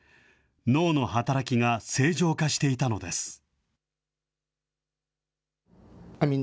脳の働きが正常化していたのです。